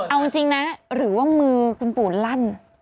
เอาจริงนะหรือว่ามือคุณปู่ลั่น